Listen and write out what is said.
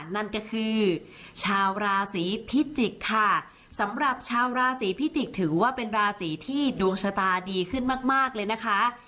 นั่นก็คือชาวราศีพิจิกค่ะสำหรับชาวราศีพิจิกษ์ถือว่าเป็นราศีที่ดวงชะตาดีขึ้นมากมากเลยนะคะ